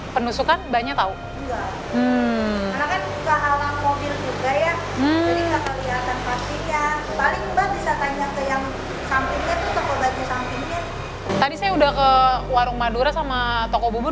bukan semua tapi mungkin karena ikut ribut ya mbak ya